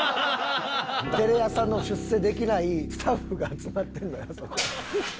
テレ朝の出世できないスタッフが集まってんのよあそこ。